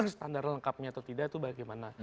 standar lengkapnya atau tidak itu bagaimana